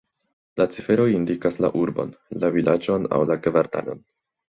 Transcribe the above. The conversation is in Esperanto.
La ciferoj indikas la urbon, la vilaĝon aŭ la kvartalon.